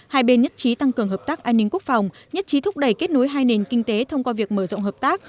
hai bên nhất trí tăng cường hợp tác an ninh quốc phòng nhất trí thúc đẩy kết nối hai nền kinh tế thông qua việc mở rộng hợp tác